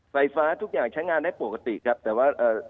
ไฟฟ้าทุกอย่างใช้งานได้ปกติครับแต่ว่าเอ่อ